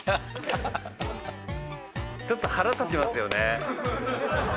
ちょっと腹立ちますよね。